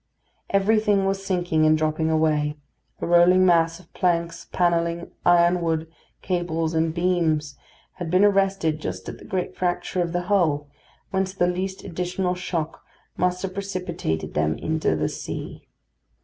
Everything was sinking and dropping away; a rolling mass of planks, panelling, ironwork, cables, and beams had been arrested just at the great fracture of the hull, whence the least additional shock must have precipitated them into the sea.